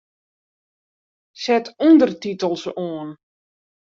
Set ûndertitels oan.